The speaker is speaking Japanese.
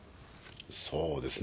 そうですね。